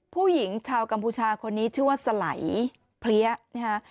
ผู้หญิงชาวกัมพูชาคนนี้ชื่อว่าสไหลเพลี้ยนะคะ